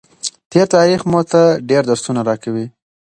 تېر تاریخ موږ ته ډېر درسونه راکوي.